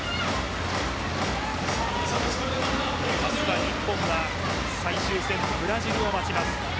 明日は、日本は最終戦ブラジルを待ちます。